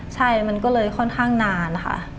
ใช่มันก็เลยค่อนข้างนานค่ะ